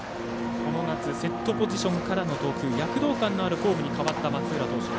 この夏セットポジションからの投球躍動感のある投球に変わった、松浦投手。